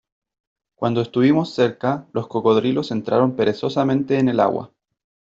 cuando estuvimos cerca , los cocodrilos entraron perezosamente en el agua .